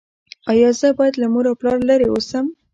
ایا زه باید له مور او پلار لرې اوسم؟